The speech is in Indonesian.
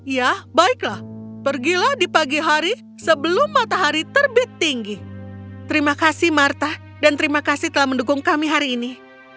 ya baiklah pergilah di pagi hari sebelum matahari terbit tinggi terima kasih marta dan terima kasih telah mendukung kami hari ini